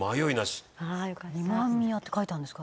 「“今宮”って書いてあるんですか？